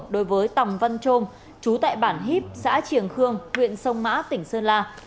đối với tầm văn trôm trú tại bản hiếp xã triềng khương huyện sông mã tỉnh sơn la